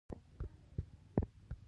دی عالم او منلی شخص و.